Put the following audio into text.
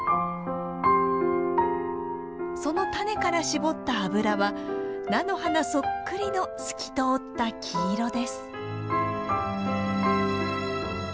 そのタネから搾った油は菜の花そっくりの透き通った黄色です。